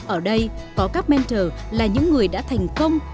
ở đây có các mentor là những người đã thành công